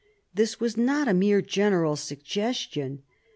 This was not a mere general suggestion.